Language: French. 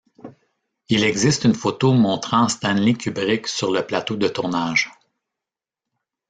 Il existe une photo montrant Stanley Kubrick sur le plateau de tournage.